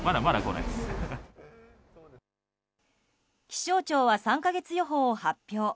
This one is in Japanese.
気象庁は３か月予報を発表。